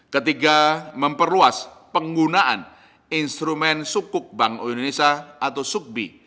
ketiga memperluas penggunaan instrumen sukuk bank indonesia atau subbi